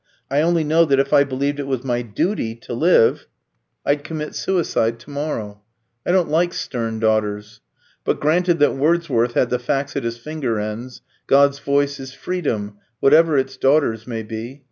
I only know that if I believed it was my duty to live, I'd commit suicide to morrow. I don't like stern daughters. But granted that Wordsworth had the facts at his finger ends, God's voice is freedom, whatever its daughters may be.